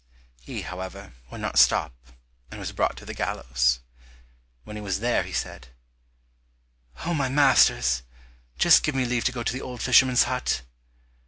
He, however, would not stop, and was brought to the gallows. When he was there, he said, "O, my masters, just give me leave to go to the old fisherman's hut."